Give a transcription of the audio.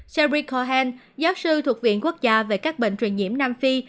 serie cohen giáo sư thuộc viện quốc gia về các bệnh truyền nhiễm nam phi